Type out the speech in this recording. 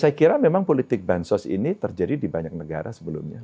saya kira memang politik bansos ini terjadi di banyak negara sebelumnya